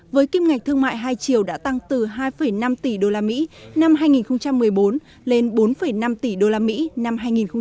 với kim ngạch thương mại hai triệu đã tăng từ hai năm tỷ usd năm hai nghìn một mươi bốn lên bốn năm tỷ usd năm hai nghìn một mươi bảy